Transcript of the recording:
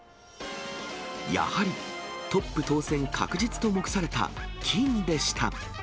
やはり、トップ当選確実と目されたキンでした。